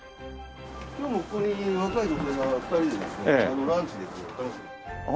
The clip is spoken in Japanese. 今日もここに若い女性が２人でですねランチでこう。